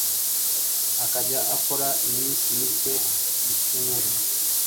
akajya akora iminsi mike mu cyumweru